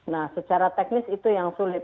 nah secara teknis itu yang sulit